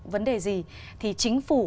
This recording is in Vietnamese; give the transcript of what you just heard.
vấn đề gì thì chính phủ